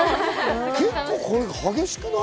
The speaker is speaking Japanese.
結構、激しくない？